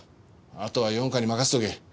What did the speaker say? あとは四課に任せておけ。